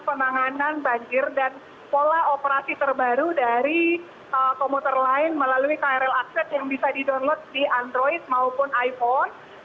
penanganan banjir dan pola operasi terbaru dari komuter lain melalui krl akses yang bisa di download di android maupun iphone